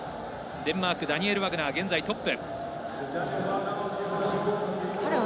デンマーク、ダニエル・ワグナー現在トップ。